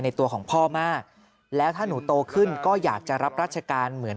ตัวของพ่อมากแล้วถ้าหนูโตขึ้นก็อยากจะรับราชการเหมือน